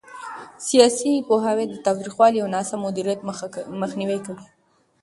سیاسي پوهاوی د تاوتریخوالي او ناسم مدیریت مخنیوي کوي